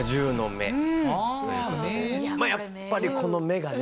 やっぱりこの目がね。